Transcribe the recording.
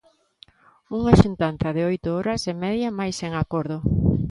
Unha xuntanza de oito horas e media mais sen acordo.